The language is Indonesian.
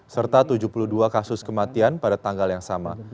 serta tujuh puluh dua kasus kematian pada tanggal yang sama